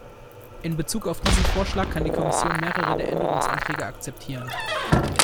In Bezug auf diesen Vorschlag kann die Kommission mehrere der Änderungsanträge akzeptieren.